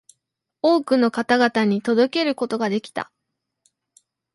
多くの方々に届けることができた